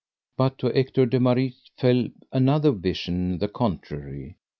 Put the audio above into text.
But to Ector de Maris befell another vision the contrary.